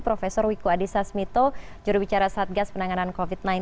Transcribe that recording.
prof wiku adhisa smito jurubicara satgas penanganan covid sembilan belas